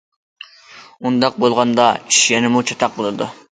ئۇنداق بولغاندا ئىش يەنىمۇ چاتاق بولىدۇ.